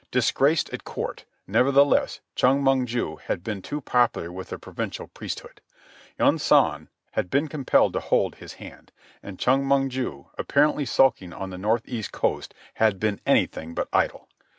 Disgraced at Court, nevertheless Chong Mong ju had been too popular with the provincial priesthood. Yunsan had been compelled to hold his hand, and Chong Mong ju, apparently sulking on the north east coast, had been anything but idle.